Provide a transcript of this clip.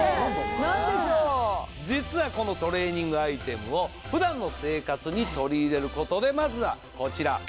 実はこのトレーニングアイテムを普段の生活に取り入れることでまずはこちら。